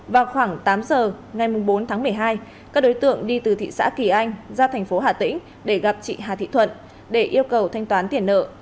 vào khoảng tám giờ ngày bốn tháng một mươi hai các đối tượng đi từ thị xã kỳ anh ra thành phố hà tĩnh để gặp chị hà thị thuận để yêu cầu thanh toán tiền nợ